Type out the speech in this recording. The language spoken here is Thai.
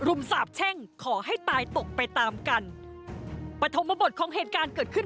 สาบแช่งขอให้ตายตกไปตามกันปฐมบทของเหตุการณ์เกิดขึ้น